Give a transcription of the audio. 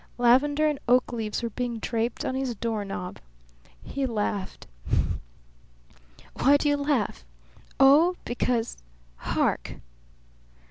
Lavender and oak leaves were being draped on his door knob. He laughed. "Why do you laugh?" "Oh, because Hark!"